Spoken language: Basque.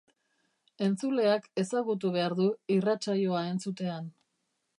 Entzuleak ezagutu behar du irratsaioa entzutean.